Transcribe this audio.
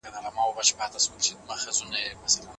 ټیکنالوژي باید سم وکارول شي.